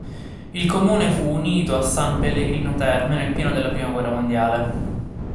Il comune fu unito a San Pellegrino Terme nel pieno della Prima guerra mondiale.